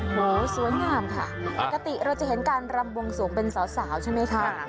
โหสวยงามค่ะปกติเราจะเห็นการรำวงสวงเป็นสาวใช่ไหมคะ